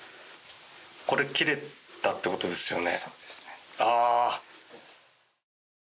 切れたってことですよね。